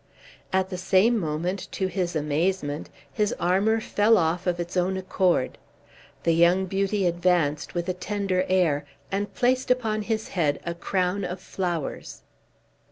At the same moment, to his amazement, his armor fell off of its own accord. The young beauty advanced with a tender air, and placed upon his head a crown of flowers.